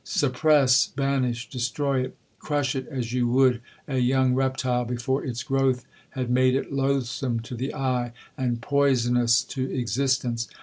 Suppress, banish, destroy it. Crush it as you would a young reptile before its growth had made it loathsome to the eye, and poisonous to existence!'